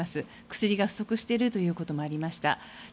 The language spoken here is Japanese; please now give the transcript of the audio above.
薬が不足しているということもありました。